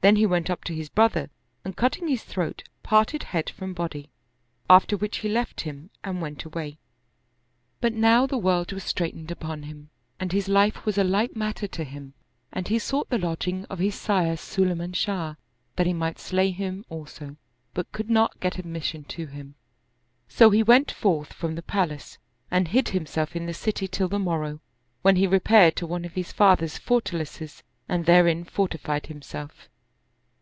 Then he went up to his brother and cutting his throat, parted head from body, after which he left him and went away. But now the world was straitened upon him and his life was a light matter to him and he sought the lodging of his sire Sulayman Shah, that he might slay him also, but could not get admission to him. So he went forth from the palace and hid himself in the city till the morrow, when he repaired to one of his father's fortalices and therein fortified himself.